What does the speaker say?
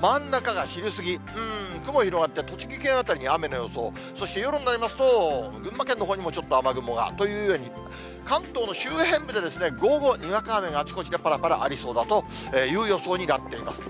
真ん中が昼過ぎ、うーん、雲広がって、栃木県辺りに雨の予想、そして夜になりますと、群馬県のほうにもちょっと雨雲がというように、関東の周辺部で、午後、にわか雨があちこちでぱらぱらありそうだという予想になっています。